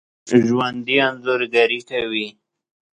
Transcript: ژوندي انځورګري کوي